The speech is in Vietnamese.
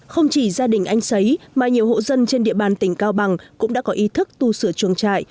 không chỉ gia đình anh sấy mà nhiều hộ dân trên địa bàn tỉnh cao bằng cũng đã có ý thức tu sửa chuồng trại